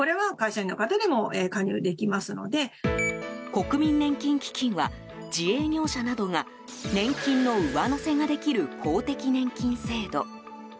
国民年金基金は自営業者などが年金の上乗せができる公的年金制度。